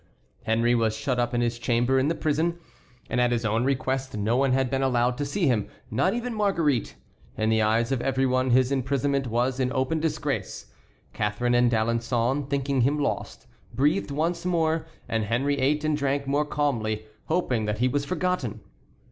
Henry was shut up in his chamber in the prison; and at his own request no one had been allowed to see him, not even Marguerite. In the eyes of every one his imprisonment was an open disgrace. Catharine and D'Alençon, thinking him lost, breathed once more, and Henry ate and drank more calmly, hoping that he was forgotten.